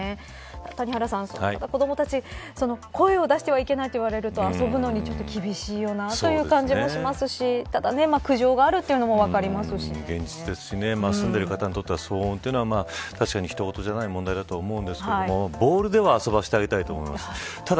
谷原さん、子どもたち声を出してはいけないと言われると遊ぶのに、ちょっと厳しいようなという感じもしますしただ、苦情があるというのも分かりますし住んでいる方にとっては騒音というのは確かに、ひと事じゃない問題と思うんですけどボールでは遊ばせてあげたいと思います。